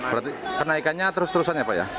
berarti kenaikannya terus terusannya pak ya